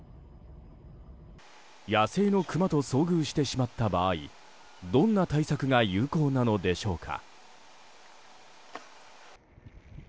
野生のクマと遭遇してしまった場合どんな対策が有効なのでしょうか。